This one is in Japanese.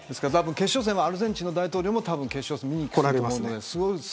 決勝戦はアルゼンチンの大統領も見に来られると思います。